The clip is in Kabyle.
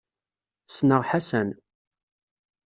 Ssneɣ Ḥasan.